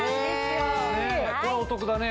これはお得だね。